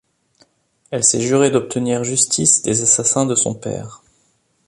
Elle s’est jurée d’obtenir justice des assassins de son père.